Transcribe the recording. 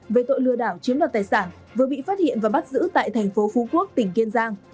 về tội lừa đảo chiếm đoạt tài sản vừa bị phát hiện và bắt giữ tại thành phố phú quốc tỉnh kiên giang